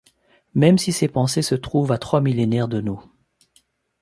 Même si ces pensées se trouvent à trois millénaires de nous.